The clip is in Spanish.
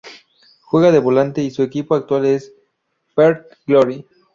Juega de volante y su equipo actual es Perth Glory.